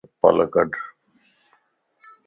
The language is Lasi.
چپل ڪڊ